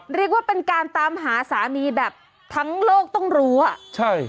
ลีกว่าการไปตามหาสามีแบบทั้งโลกต้องรู้นั่น